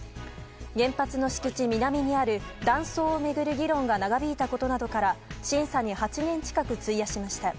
原発の敷地南にある断層を巡る議論が長引いたことなどから審査に８年近く費やしました。